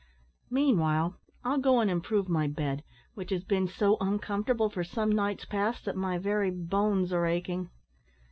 Meanwhile I'll go and improve my bed, which has been so uncomfortable for some nights past that my very bones are aching."